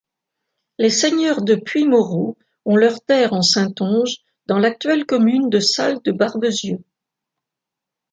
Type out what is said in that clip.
Les seigneurs de Puymoreau ont leurs terres en Saintonge, dans l'actuelle commune de Salles-de-Barbezieux.